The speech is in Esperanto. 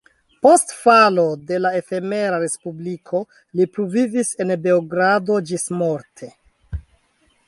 Post falo de la efemera respubliko li pluvivis en Beogrado ĝismorte.